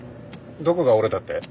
どこが折れたって？